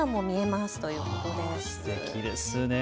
すてきですね。